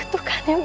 aku akan menunggu